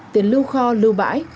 tiền lưu kho lưu bãi